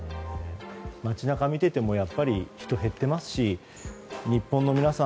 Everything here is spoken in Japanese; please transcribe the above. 街中を見ていてもやっぱり人は減っていますし日本の皆さん